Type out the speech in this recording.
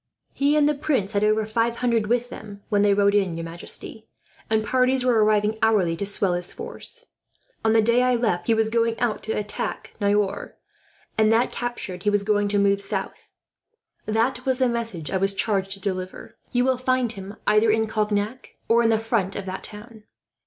"He and the prince had over five hundred with them, when they rode in, your majesty; and parties were arriving, hourly, to swell his force. On the day I left he was going out to attack Niort and, that captured, he was going to move south. That was the message I was charged to deliver. You will find him either in Cognac, or in front of that town."